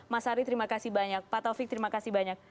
mas ari terima kasih banyak pak taufik terima kasih banyak